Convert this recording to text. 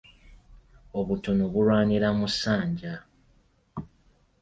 Obutono bulwanira mu ssanja.